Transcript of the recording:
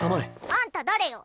あんた誰よ。